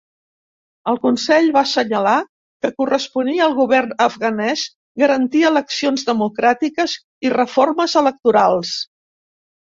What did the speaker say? El Consell va assenyalar que corresponia al govern afganès garantir eleccions democràtiques i reformes electorals.